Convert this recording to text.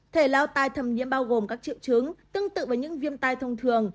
thể lao tai thẩm nhiễm bao gồm các triệu chứng tương tự với những viêm tai thông thường